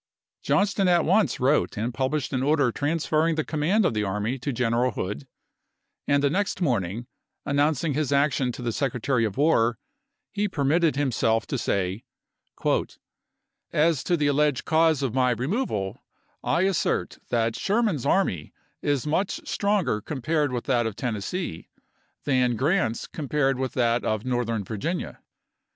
Johnston at once wrote and published an order transferring the command of the army to General Hood ; and the next morning, announcing his action to the Secretary of War, he permitted himself to say :" As to the alleged cause of my removal, I assert that Sherman's army is much stronger com pared with that of Tennessee, than Grant's com pared with that of Northern Virginia.